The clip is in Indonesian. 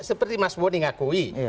seperti mas bonny ngakui